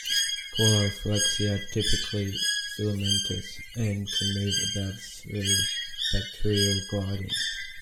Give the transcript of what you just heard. Chloroflexia are typically filamentous, and can move about through bacterial gliding.